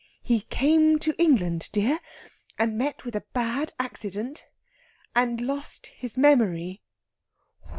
"He came to England, dear, and met with a bad accident, and lost his memory...."